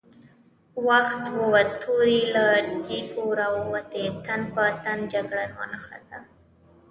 وخت ووت، تورې له تېکو را ووتې، تن په تن جګړه ونښته!